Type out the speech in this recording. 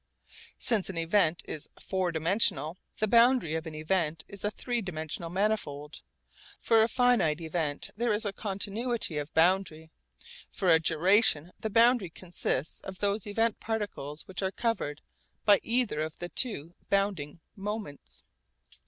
Since an event is four dimensional, the boundary of an event is a three dimensional manifold. For a finite event there is a continuity of boundary; for a duration the boundary consists of those event particles which are covered by either of the two bounding moments.